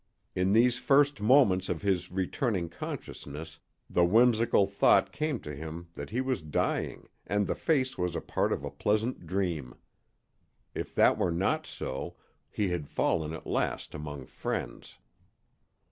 In these first moments of his returning consciousness the whimsical thought came to him that he was dying and the face was a part of a pleasant dream. If that were not so, he had fallen at last among friends.